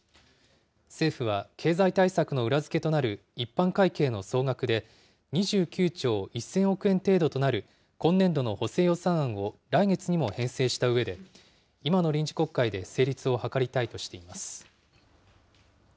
政府は経済対策の裏付けとなる一般会計の総額で、２９兆１０００億円程度となる今年度の補正予算案を来月にも編成したうえで、今の臨時国会で成立を図りたいとしています。